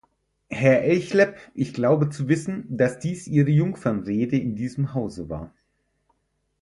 Herr Elchlepp, ich glaube zu wissen, dass dies Ihre Jungfernrede in diesem Hause war.